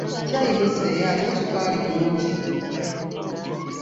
Caai muzeeyo alimu ssukaali mungi.